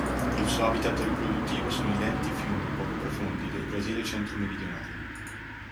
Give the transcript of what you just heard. Il suo habitat riproduttivo sono i lenti fiumi poco profondi del Brasile centro-meridionale.